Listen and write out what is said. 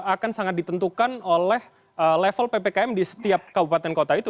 akan sangat ditentukan oleh level ppkm di setiap kabupaten kota itu